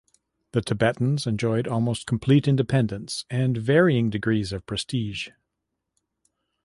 The Tibetans enjoyed almost complete independence and varying degrees of prestige.